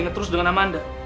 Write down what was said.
kita terus dengan amanda